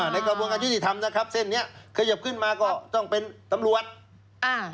ในกระบวนการยุติธรรมนะครับเส้นเนี้ยขยับขึ้นมาก็ต้องเป็นตำรวจอ่า